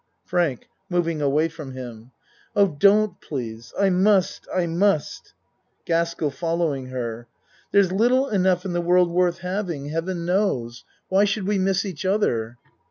FRANK (Moving away from him.) Oh, don't please. I must I must GASKELL (Following her.) There's little enough in the world worth having, heaven knows. no A MAN'S WORLD Why should we miss each other?